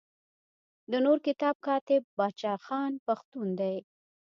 د نور کتاب کاتب بادشاه خان پښتون دی.